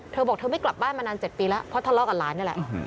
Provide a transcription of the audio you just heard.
เธอบอกเธอไม่กลับบ้านมานาน๗ปีแล้วเพราะทะเลาะกับหลานนี่แหละ